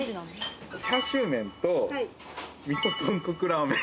チャーシューメンとみそとんこくラーメン。